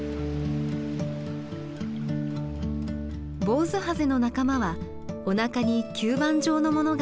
ボウズハゼの仲間はおなかに吸盤状のものがあります。